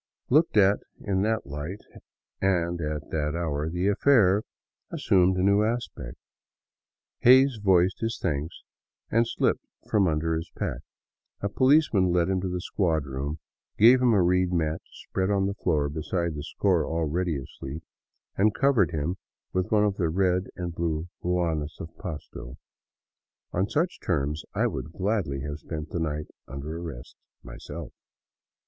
Looked at in that light, and at that hour, the affair as sumed a new. aspect. Hays voiced his thanks and slipped from under his pack. A policeman led him to the squad room, gave him a reed mat to spread on the floor beside the score already asleep, and cov ered him with one of the red and blue ruanas of Pasto. On such terms I would gladly have spent the night under arrest myself.